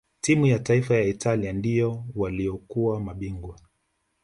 timu ya taifa ya italia ndio waliokuwa mabingwa